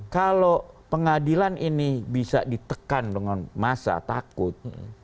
kalau pengadilan ini bisa ditekan dengan masa takut